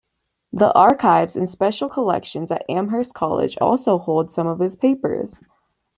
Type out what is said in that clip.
The Archives and Special Collections at Amherst College also hold some of his papers.